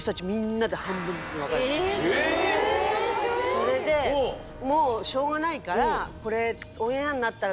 それでもうしょうがないからこれ。